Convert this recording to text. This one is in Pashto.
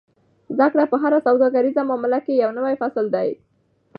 زده کړه په هره سوداګریزه معامله کې یو نوی فصل دی.